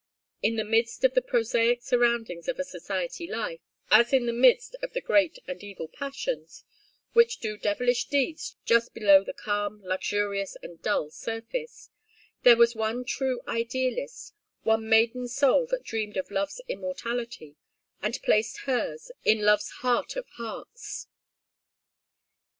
In the midst of the prosaic surroundings of a society life, as in the midst of the great and evil passions which do devilish deeds just below the calm, luxurious and dull surface, there was one true idealist, one maiden soul that dreamed of love's immortality, and placed hers in love's heart of hearts.